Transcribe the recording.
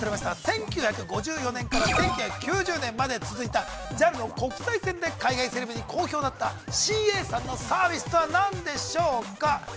１９５４年から１９９０年まで続いたＪＡＬの国際線で海外セレブに好評だったＣＡさんのサービスとは何でしょうか？